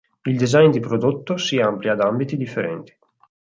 Il design di prodotto si amplia ad ambiti differenti.